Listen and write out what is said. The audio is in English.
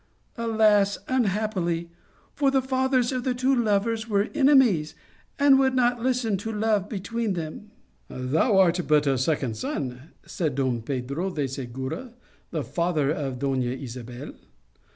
Alas, un happily ! for the fathers of the two lovers were enemies, and would not listen to love between them. A Tertulia 109 " c Thou art but a second son/ said Don Pedro de Segura, the father of Dona Isabel.